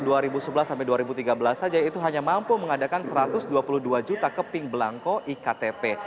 tahun dua ribu sebelas sampai dua ribu tiga belas saja itu hanya mampu mengadakan satu ratus dua puluh dua juta keping belangko iktp